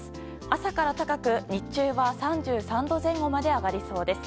朝から高く、日中は３３度前後まで上がりそうです。